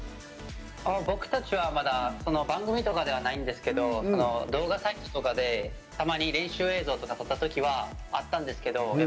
僕たちは、まだ番組とかではないんですけど動画サイトとかでたまに練習映像とか撮ったときはあったんですけど